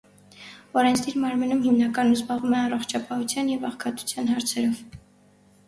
Օրենսդիր մարմնում հիմնականում զբաղվում է առողջապահության և աղքատության հարցերով։